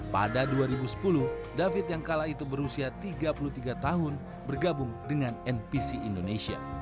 pada dua ribu sepuluh david yang kala itu berusia tiga puluh tiga tahun bergabung dengan npc indonesia